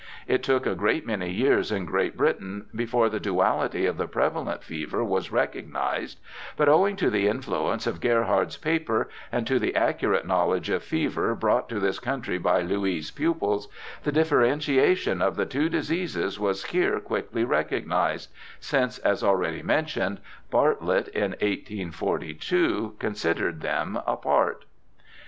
It took a great many years in GVeat Britain before the duality of the prevalent fever was recognized, but owing to the influence of Gerhard's paper, and to the accurate knowledge of fever brought to this country by Louis' pupils, the differentiation of the two diseases was here quickly recognized, since, as already mentioned, Bartlett in 1842 considered them apart.